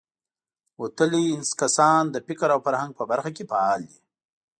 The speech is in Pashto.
وتلي کسان د فکر او فرهنګ په برخه کې فعال دي.